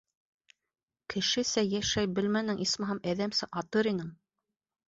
Кешесә йәшәй белмәнең, исмаһам, әҙәмсә атыр инең!